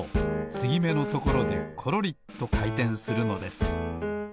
つぎめのところでコロリとかいてんするのです。